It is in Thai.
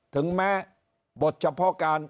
ถึงแม้บทเฉพาะการ